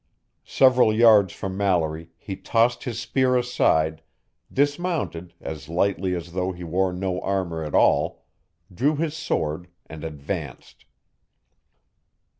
Several yards from Mallory, he tossed his spear aside, dismounted as lightly as though he wore no armor at all, drew his sword, and advanced.